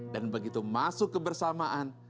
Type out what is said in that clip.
dan begitu masuk kebersamaan